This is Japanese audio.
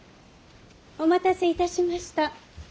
お待たせいたしました。